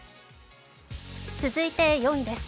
続いて４位です。